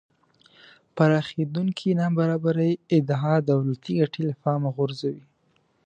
پراخېدونکې نابرابرۍ ادعا دولتی ګټې له پامه غورځوي